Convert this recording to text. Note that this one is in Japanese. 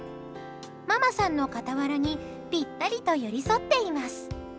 ママさんの傍らにぴったりと寄り添っています。